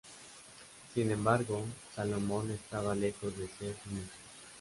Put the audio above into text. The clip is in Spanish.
Sin embargo, Salomón estaba lejos de ser sumiso.